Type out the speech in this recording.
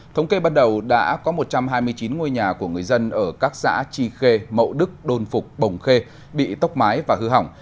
thống kê bắt đầu đã có một trăm hai mươi chín ngôi nhà của người dân ở các xã tri khê mậu đức đôn phục bồng khê bị tốc mái và hư hỏng